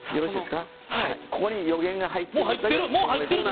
ここに予言が入ってます。